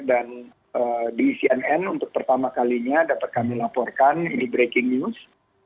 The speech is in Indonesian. dan di cnn untuk pertama kalinya dapat kami laporkan ini breaking news